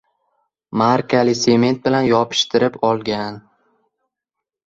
markali sement bilan yopishtirib olgan: